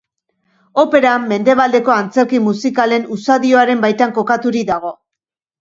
Opera mendebaldeko antzerki musikalen usadioaren baitan kokaturik dago.